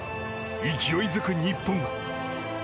勢いづく日本は。